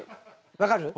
分かる？